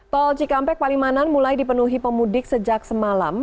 tol cikampek palimanan mulai dipenuhi pemudik sejak semalam